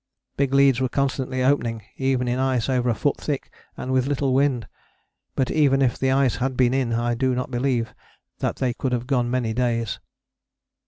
Big leads were constantly opening, even in ice over a foot thick and with little wind. But even if the ice had been in I do not believe that they could have gone many days."